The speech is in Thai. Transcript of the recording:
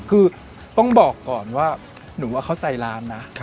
คือต้องบอกก่อนว่าหนูว่าเข้าใจร้านนะ